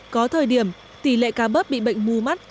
có thời điểm tỷ lệ cá bớp bị bệnh mù mắt